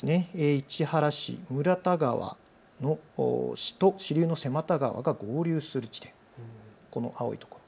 市原市村田川の支流の瀬又川が合流する地点、この青いところ。